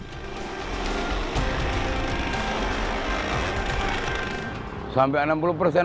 kepuasan penonton memberi kebahagiaan bagi pemain tongsetan